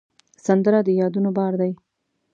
سندره د یادونو بار دی